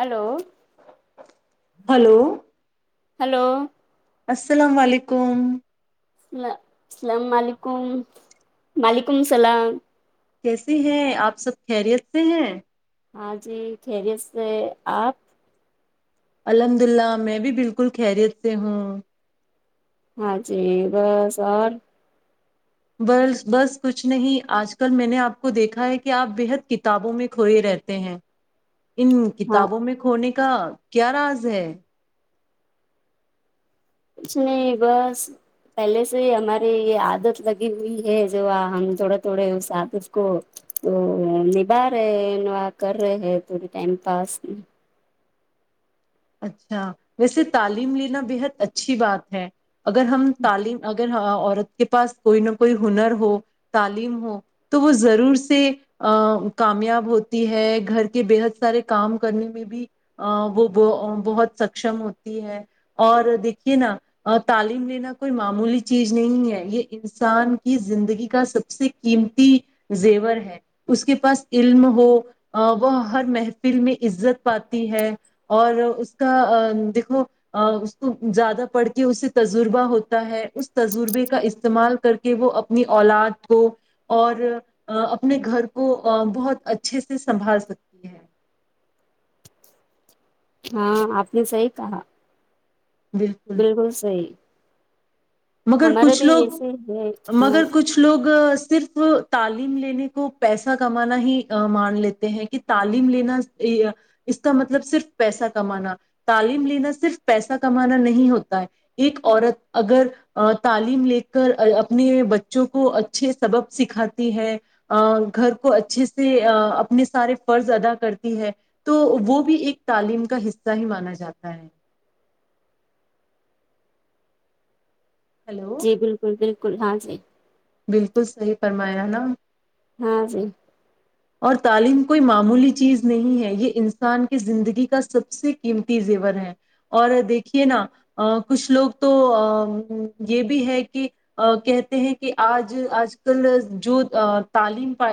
hello hello hello السلام علیکم الل السلام علیکم وعلیکم سلام کیسے ہیں آپ سب خیریت سے ہیں ہاں جی خیریت سے آپ الحمد للہ میں بھی بالکل خیریت سے ہوں ہاں جی بس اور بس کچھ نہیں آج کل میں نے آپ کو دیکھا ہے کہ آپ بے حد کتابوں میں کھوئے رہتے ہیں ان ہاں کتابوں میں کھونے کا کیا راز ہے کچھ نہیں بس پہلے سے ہی ہماری یہ عادت لگی ہوئی ہے جو ہم تھوڑے تھوڑے اس عادت کو تو نبا رہے ہیں کر رہے ہیں تھوڑے ٹائم پاس اچھا ویسے تعلیم لینا بےحد اچھی بات ہے اگر ہم تعلیم ا اگر عورت کے پاس کوئی نہ کوئی ہنر ہو تعلیم ہو تو وہ ضرور سے کامیاب ہوتی ہے گھر کے بےحد سارے کام کرنے میں بھی وہ بہت سکشم ہوتی ہے اور دیکھیے نا تعلیم لینا کوئی معمولی چیز نہیں ہے یہ انسان کی زندگی کا سب سے قیمتی زیور ہے اس کے پاس علم ہو وہ ہر محفل میں عزت پاتی ہے اور اس کا دیکھو اس کو زیادہ پڑھ کے اس سے تجربہ ہوتا ہے اس تجربے کا استعمال کر کے وہ اپنی اولاد کو اور اپنے گھر کو بہت اچھے سے سنبھال سکتی ہے ہاں آپ نے سی کہا بالکل صحی مگر کچھ لوگ ہے ہاں مگر کچھ لوگ صرف تعلیم لینے کو پیسہ کمانا ہی مان لیتے ہیں کہ تعلیم لینا اس کا مطلب صرف پیسہ کمانا تعلیم لینا صرف پیسہ کمانا نہیں ہوتا ہے ایک عورت اگر تعلیم لے کر اپنے بچوں کو اچھے سبب سکھاتی ہے گھر کو اچھے سے اپنے سارے فرض ادا کرتی ہے تو وہ بھی ایک تعلیم کا حصہ ہی مانا جاتا ہے ہلو جی بالکل بالکل کل حان سے بالکل صحیح فرمایا نا ہاں جی اور تعلیم کوئی معمولی چیز نہیں ہے یہ انسان کی زندگی کا سب سے قیمتی زیور ہے اور دیکھیے نا کچھ لوگ تو یہ بھی ہے کہ کہتے ہیں کہ آج آج کل جو تعلیم پ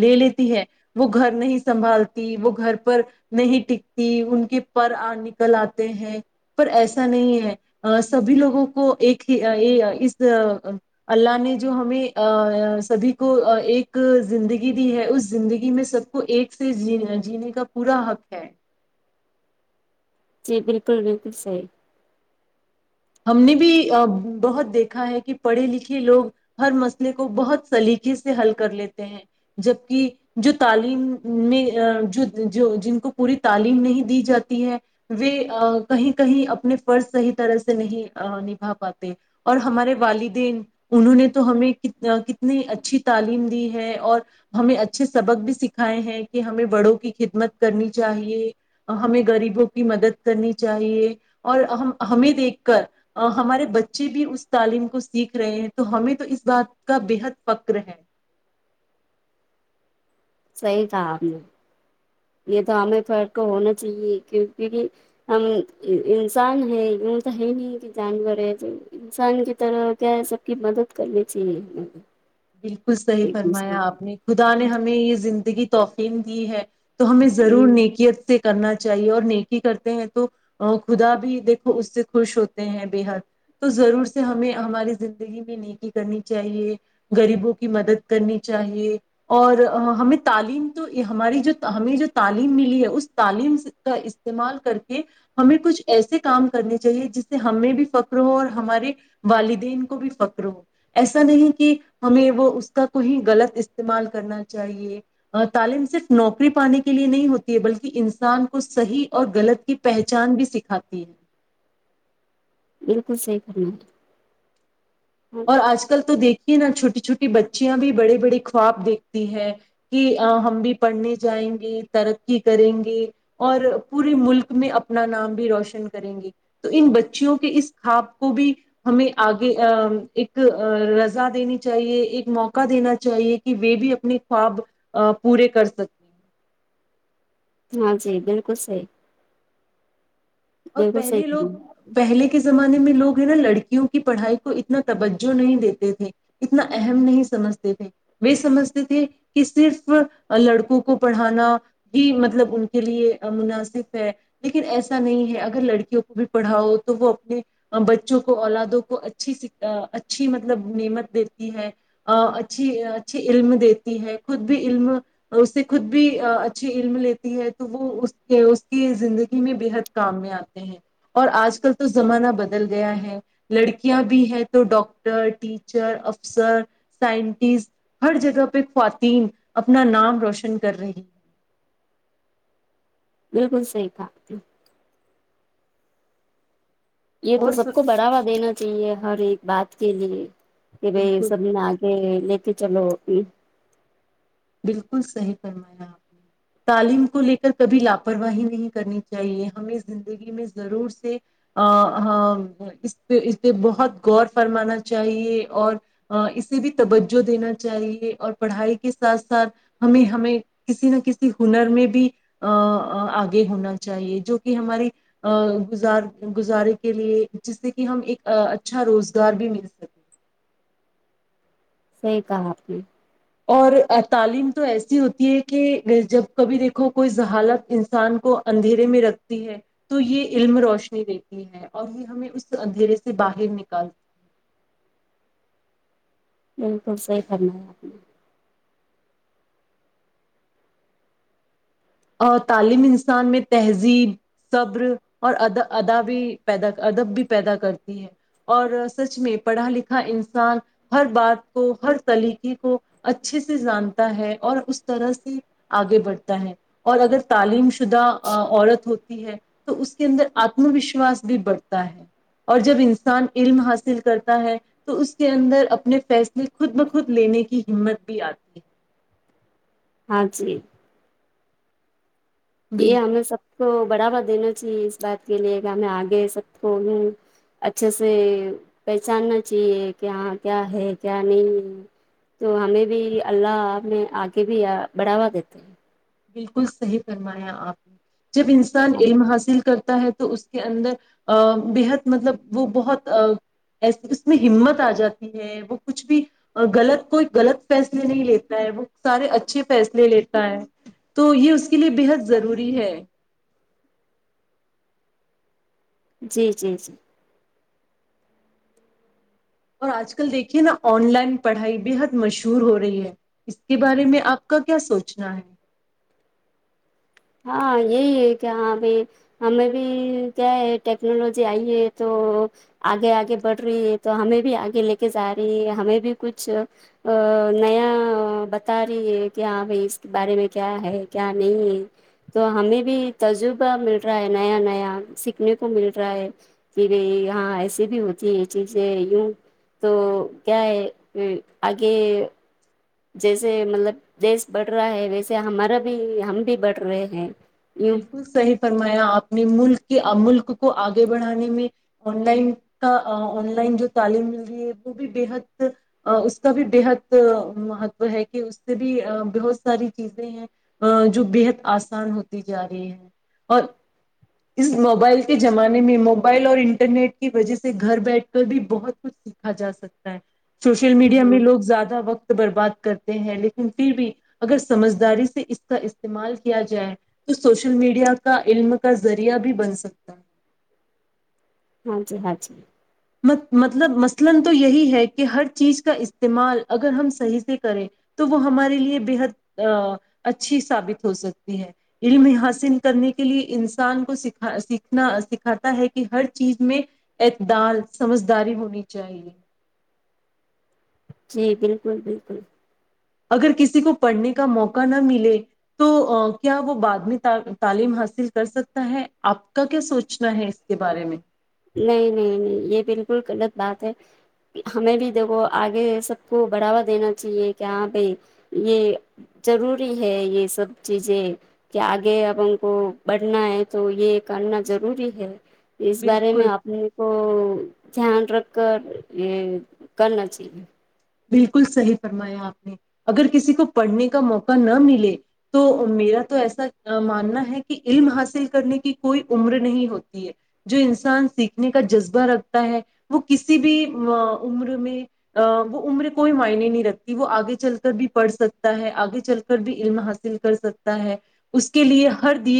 لے لیتی ہے وہ گھر نہیں سنبھالتی وہ گھر پر نہیں ٹکتی ان کے پر نکل آتے ہیں پر ایسا نہیں ہے سبھی لوگوں کو ایک ہی اس اللہ نے جو ہمیں سبھی کو ایک زندگی دی ہے اس زندگی میں سب کو ایک سے جینے کا پورا حق ہے جی بالکل بالکل صیح ہم نے بھی بہت دیکھا ہے کہ پڑھے لکھے لوگ ہر مسئلے کو بہت سلیقے سے حل کر لیتے ہیں جبک جو تعلیم نے جو جن کو پوری تعلیم نہیں دی جاتی ہے وہ کہیں کہیں اپنے فرض صحیح طرح سے نہیںا پاتے اور ہمارے والدین انہوں نے تو ہمیں کتنی اچھی تعلیم دی ہے اور ہمیں اچھے سبق بھی سکھائے ہیں کہ ہمیں بڑوں کی خدمت کرنی چاہیے ہمیں غریبوں کی مدد کرنی چاہیے اور ہم ہمیں دیکھ ہمارے بچے بھی اس تعلیم کو سیکھ رہے ہیں تو ہمیں تو اس بات کا بےحد فخر ہے صحیح تھا آپ نے یہ تو ہمیں فرق کو ہونا چاہیے کیونکہ ہم انسان ہے یوں تو ہے نہیں کہ جانور ہے انسان کی طرح کیا ہے سب کی مدد کرنی چاہیے ہم بالکل صحیح فرمایا آپ نے خدا نے ہمیں یہ زندگی توقین دی ہے تو ہمیں ضرور کی نیکیت سے کرنا چاہیے اور نیکی کرتے ہیں تو خدا بھی دیکھو اس سے خوش ہوتے ہیں بے حد تو ضرور سے ہمیں ہماری زندگی میں نیکی کرنی چاہیے غریبوں کی مدد کرنی چاہیے اور ہمیں تعلیم تو ہماری جو ہمیں جو تعلیم ملی ہے اس تعلیم کا استعمال کر کے ہمیں کچھ ایسے کام کرنے چاہیے جس سے ہمیں بھی فخر ہو اور ہمارے والدین کو بھی فخر ہو ایسا نہیں کہ ہمیں وہ اس کا کویں غلط استعمال کرنا چاہیے تعلیم صرف نوکری پانے کے لیے نہیں ہوتی ہے بلکہ انسان کو صحیح اور غلط کی پہچان بھی سکھاتی ہے بالکل صحی کرناا اور آج کل تو دیکھ کہ نہ چھوٹی چھوٹی بچیاں بھی بڑے بڑے خواب دیکھتی ہیں کہ ہم بھی پڑھنے جائیں گے ترقی کریں گے اور پورے ملک میں اپنا نام بھی روشن کریں گے تو ان بچیوں کے اس خواب کو بھی ہمیں آگے ایک رضا دینی چاہیے ایک موقع دینا چاہیے کہ وہ بھی اپنے خواب پورے کر سکیں ہاں جی بالکل صحیح اور بالکل صحیح پہلے لوگ کرنا ہے، پہلے کے زمانے میں لوگ نا لڑکیوں کی پڑھائی کو اتنا توجہ نہیں دیتے تھے اتنا اہم نہیں سمجھتے تھے وہ سمجھتے تھے کہ صرف لڑکوں کو پڑھانا بھی مطلب ان کے لیے مناسب ہے لیکن ایسا نہیں ہے اگر لڑکیوں کو بھی پڑھاؤ تو وہ اپنے بچوں کو اولادوں کو اچھی اچھی مطلب نعمت دیتی ہے اچھی اچھی علم دیتی ہے خود بھی علم اسے خود بھی اچھی علم لیتی ہے تو وہ اس اس کی زندگی میں بےحد کام میں آتے ہیں اور آج کل تو زمانہ بدل گیا ہے لڑکیاں بھی ہیں تو ڈاکٹر ٹیچر افسر سائنٹسٹ ہر جگہ پہ خواتین اپنا نام روشن کر رہی ہیں بالکل صحی تھا یہ تو سب کو بڑھاوا دینا چاہیے ہر ایک بات کے لیے کہ بائی یہ بالکل سب آگے کہ چلو بھی بالکل صحیح فرمایا آپ نے تعلیم کو لے کر کبھی لاپرواہی نہیں کرنی چاہیے ہمیں زندگی میں ضرور سے اس پہ اس پہ بہت غور فرمانا چاہیے اور اسے بھی توجہ دینا چاہیے اور پڑھائی کے ساتھ ساتھ ہمیں ہمیں کسی نہ کسی ہنر میں بھی ا آگے ہونا چاہیے جو کہ ہمارے ا گزار گزارے کے لیے جس سے کہ ہم ایک اچھا روزگار بھی مل سکے صحیح کہا آپ نے اور تعلیم تو ایسی ہوتی ہے کہ جب کبھی دیکھو کوئی زہالت انسان کو اندھیرے میں رکھتی ہے تو یہ علم روشنی دیتی ہے اور یہ ہمیں اس اندھیرے سے باہر نکالتی ہے بالکل صحیح کرنا ہے آپ نے تعلیم انسان میں تہذیب صبر اور ادا ادا بھی پیدا ادب بھی پیدا کرتی ہے اور سچ میں پڑھا لکھا انسان ہر بات کو ہر طلیقے کو اچھے سے جانتا ہے اور اس طرح سے آگے بڑھتا ہے اور اگر تعلیم شدہ عورت ہوتی ہے تو اس کے اندر آتم وشواس بھی بڑھتا ہے اور جب انسان علم حاصل کرتا ہے تو اس کے اندر اپنے فیصلے خود بخود لینے کی ہمت بھی آتی ہے ہجی یہ ہم بالکل نے سب کو بڑھاوا دینا چاہیے اس بات کے لیے کہ ہمیں آگے سب کو ی اچھے سے پہچاننا چاہیے کہ ہاں کیا ہے کیا نہیں ہے تو ہمیں بھی اللہ میں آگے بھی بڑھاوا دیتے ہیں بالکل صحیح فرمایا آپ نے جب انسان علم حاصل کر ہوتا ہے تو اس کے اندر بےحد مطلب وہ بہت اس میں ہمت آ جاتی ہے وہ کچھ بھی غلط کوئی غلط فیصلے نہیں لیتا ہے وہ سارے اچھے فیصلے لیتا ہے تو یہ اس کے لیے بےحد ضروری ہے جی جی جی اور آج کل دیکھیے نا آن لائن پڑھائی بے حد مشہور ہو رہی ہے اس کے بارے میں آپ کا کیا سوچنا ہے ہاں یہی ہے کہ ہاں بھائی ہمیں بھی کیا ہے ٹیکنالوجی آئی ہے تو آگے آگے بڑھ رہی ہے تو ہمیں بھی آگے لے کے جا رہی ہے ہمیں بھی کچھ نیا بتا رہی ہے کہ ہاں بھائی اس کے بارے میں کیا ہے کیا نہیں ہے تو ہمیں بھی تجربہ مل رہا ہے نیا نیا سیکھنے کو مل رہا ہے کہ بھائی ہاں ایسی بھی ہوتی ہے یہ چیزیں یوں تو کیا ہے آگے جیسے مطلب دیش بڑھ رہا ہے ویسے ہمارا بھی ہم بھی بڑھ رہے ہیں یوں بالکل صحیح فرمایا آپ نے ملک کہ ملک کو آگے بڑھانے میں آن لائن کا آن لائن جو تعلیم مل رہی ہے وہ بھی بحد اس کا بھی بےحد مہتو ہے کہ اس سے بھی بہت ساری چیزیں ہیں جو بےحد آسان ہو جا رہی ہے اور اس موبائل کے زمانے میں موبائل اور انٹرنیٹ کی وجہ سے گھر بیٹھ کر بھی بہت کچھ سیکھا جا سکتا ہے سوشل میڈیا میں ہاں لوگ زیادہ وقت برباد کرتے ہیں لیکن پھر بھی اگر سمجھداری سے اس کا استعمال کیا جائے تو سوشل میڈیا کا علم کا ذریعہ بھی بن سکتا ہے ہاں جی ہاں جی مطلب مثلا تو یہی ہے کہ ہر چیز کا استعمال اگر ہم صحیح سے کریں تو وہ ہمارے لیے بے حد اچھی ثابت ہو سکتی ہے علم ہی حاصل کرنے کے لیے انسان کو سیکھنا سکھاتا ہے کہ ہر چیز میں اعتدال سمجھداری ہونی چاہیے جی بالکل بالکل اگر کسی کو پڑھنے کا موقع نہ ملے تو کیا وہ بعد میں تعلیم حاصل کر سکتا ہے آپ کا کیا سوچنا ہے اس کے بارے میں نہیں نہیں نہیں یہ بالکل غلط بات ہے ہمیں بھی دیکھو آگے سب کو بڑھاوا دینا چاہیے کہ ہاں بھائی یہ ضروری ہے یہ سب چیزیں کہ آگے اب ان کو بڑھنا ہے تو یہ کرنا ضروری ہے اس بارے میں بالکل اپنے کو دھیان رکھ کر یہ کرنا چاہیے بالکل صحیح فرمایا آپ نے اگر کسی کو پڑھنے کا موقع نہ ملے تو میرا تو ایسا ماننا ہے کہ علم حاصل کرنے کی کوئی عمر نہیں ہوتی ہے جو انسان سیکھنے کا جذبہ رکھتا ہے وہ کسی بھی عمر میں وہ عمر کوئی معائنی نہیں رکھتی وہ آگے چل کر بھی پڑھ سکتا ہے آگے چل کر بھی علم حاصل کر سکتا ہے اس کے لیے ہر دی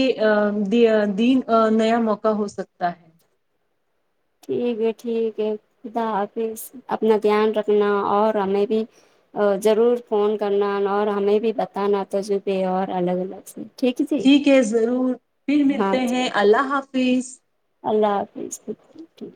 دین نیا موقع ہو سکتا ہے ٹھیک ہے ٹھیک ہے خدا حافظ اپنا دھیان رکھنا اور ہمیں بھی ضرور فون کرنا اور ہمیں بھی بتانا تجبہ اور الگ الگ سے ہے جی ٹھیک ہے ضرور پھر ہاں ملتے جی ہیں اللہ حافظ اسیس اللہ حافظ ٹھیک